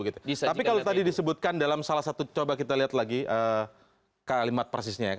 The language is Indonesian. tapi kalau tadi disebutkan dalam salah satu coba kita lihat lagi kalimat persisnya ya